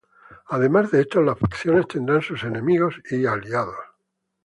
Además de esto, las facciones tendrán sus "enemigos" y "aliados".